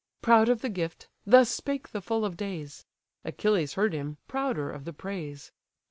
Proud of the gift, thus spake the full of days: Achilles heard him, prouder of the praise.